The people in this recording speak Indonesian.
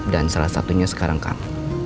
dan salah satunya sekarang kamu